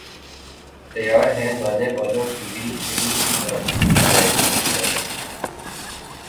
تیار ہیں گانے والوں کی بھی اتنی ہی تعریف کی جائے علی ظفر